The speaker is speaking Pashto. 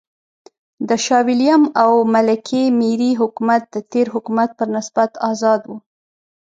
د شاه وېلیم او ملکې مېري حکومت د تېر حکومت پر نسبت آزاد و.